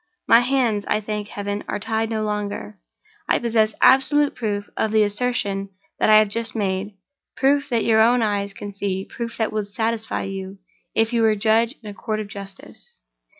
My hands, I thank Heaven, are tied no longer. I possess absolute proof of the assertion that I have just made—proof that your own eyes can see—proof that would satisfy you, if you were judge in a Court of Justice.